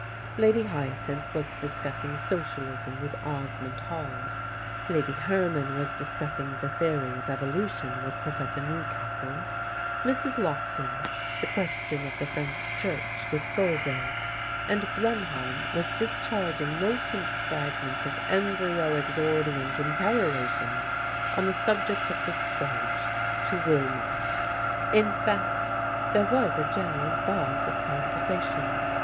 Lady Hyacinth was discussing Socialism with Osmond Hall, Lady Herman was discussing the theory of evolution with Professor Newcastle, Mrs. Lockton, the question of the French Church, with Faubourg; and Blenheim was discharging molten fragments of embryo exordiums and perorations on the subject of the stage to Willmott; in fact, there was a general buzz of conversation.